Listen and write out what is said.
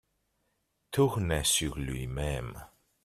Tourner sur lui-même.